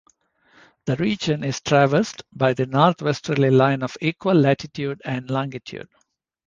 The region is traversed by the northwesterly line of equal latitude and longitude.